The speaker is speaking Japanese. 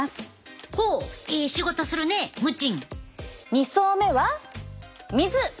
２層目は水。